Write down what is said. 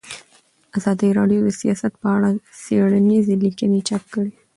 ازادي راډیو د سیاست په اړه څېړنیزې لیکنې چاپ کړي.